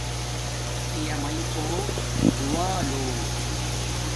پیا مݵݵ پوہ دعا لو